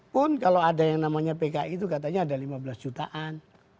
pun kalau ada yang namanya pki itu katanya ada lima belas jutaan